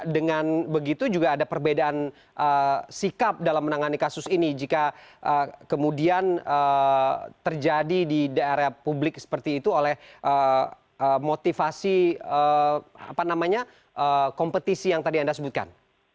dengan begitu juga ada perbedaan sikap dalam menangani kasus ini jika kemudian terjadi di daerah publik seperti itu oleh motivasi kompetisi yang tadi anda sebutkan